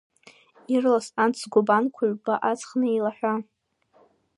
Ирлас анҭ сгәабанқәа ҩба аҵхны еилаҳәа.